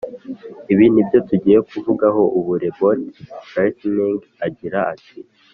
Ibi ni byo tugiye kuvugaho ubu. Robert Lightner agira ati: